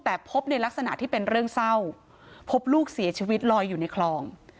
แต่พบในลักษณะที่เป็นเรื่องเศร้าพบลูกเสียชีวิตลอยอยู่ในคลอง